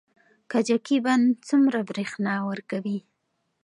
کجکي بند څومره بریښنا ورکوي؟